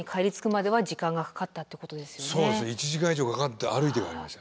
そうですね１時間以上かかって歩いて帰りました。